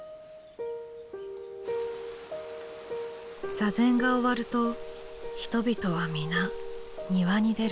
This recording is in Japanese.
座禅が終わると人々は皆庭に出る。